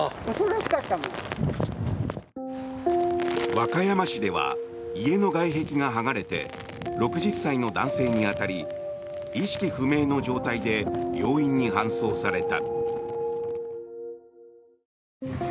和歌山市では家の外壁が剥がれて６０歳の男性に当たり意識不明の状態で病院に搬送された。